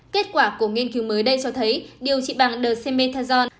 kết quả của nghiên cứu mới đây cho thấy điều trị bằng dexamethasone